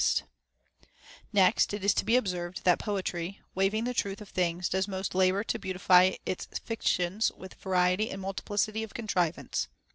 t Next, it is to be observed that poetry, waiving the truth of things, does most labor to beautify its fictions with variety and multiplicity of contrivance.